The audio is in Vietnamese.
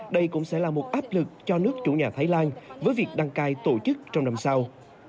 đây cũng sẽ là một áp lực cho nước chủ nhà thái lan với việc đăng cai tổ chức trong năm sau